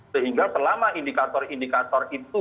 sehingga selama indikator indikator itu